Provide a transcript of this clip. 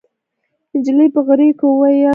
نجلۍ په غريو کې وويل: ابا!